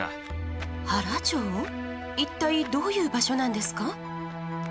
一体どういう場所なんですか？